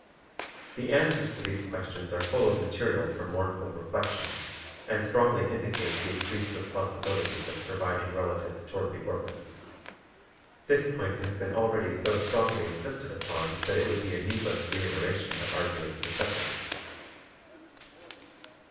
The answers to these questions are full of material for mournful reflection, and strongly indicate the increased responsibilities of surviving relatives toward the orphans. This point has been already so strongly insisted upon that it would be a needless reiteration to argue its necessity.